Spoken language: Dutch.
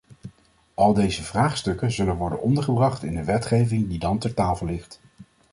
Al deze vraagstukken zullen worden ondergebracht in de wetgeving die dan ter tafel ligt.